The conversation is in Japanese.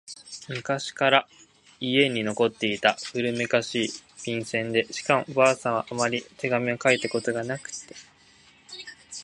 昔から家に残っていた古めかしい、便箋でしかも婆さんはあまり手紙を書いたことがなくって……